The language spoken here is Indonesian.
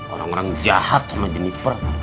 orang orang jahat sama jeniper